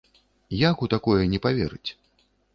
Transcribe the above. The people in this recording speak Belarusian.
Як у такое не паверыць?